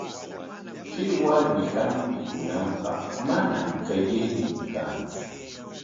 Kay warmi hampikunanpaq manam qillaynin kantsu.